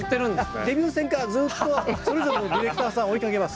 デビュー戦からずっとそれぞれのディレクターさん追いかけます。